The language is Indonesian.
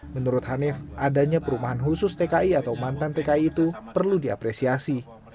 menurut hanif adanya perumahan khusus tki atau mantan tki itu perlu diapresiasi